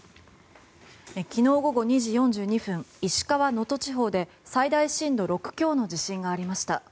昨日午後２時４２分石川県能登地方で最大震度６強の地震がありました。